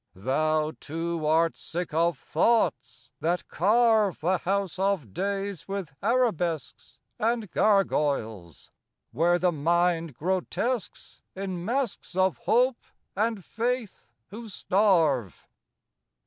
Thou too art sick of thoughts, that carve The house of days with arabesques And gargoyles, where the mind grotesques In masks of hope and faith who starve.